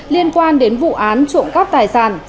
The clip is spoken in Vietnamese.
liên quan đến vụ án trộm cắp tài sản